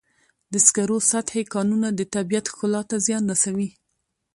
د سکرو سطحي کانونه د طبیعت ښکلا ته زیان رسوي.